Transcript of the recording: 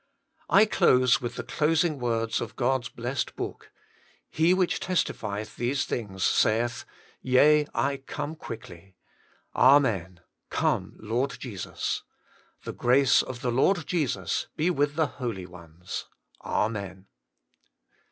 I close with the closing words of God's Blessed Book, ' He which testifieth these things saith, Yea, I come quickly. Amen : Come, Lord Jesus. The grace of the Lord Jesus be with the holy ones. Amen.'